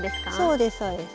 そうですそうです。